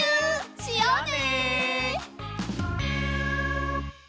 しようね！